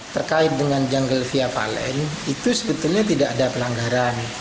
terkait dengan jungle via valen itu sebetulnya tidak ada pelanggaran